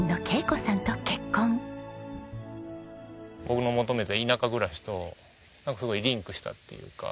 僕の求めた田舎暮らしとすごいリンクしたっていうか。